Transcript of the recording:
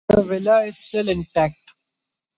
The villa is still intact.